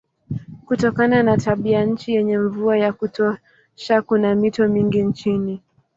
Kutokana na tabianchi yenye mvua ya kutosha kuna mito mingi nchini.